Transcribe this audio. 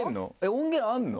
音源あるの？